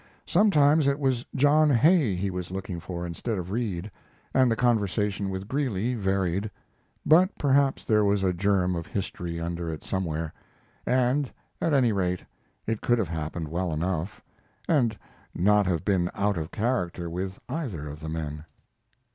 Sometimes it was John Hay he was looking for instead of Reid, and the conversation with Greeley varied; but perhaps there was a germ of history under it somewhere, and at any rate it could have happened well enough, and not have been out of character with either of the men.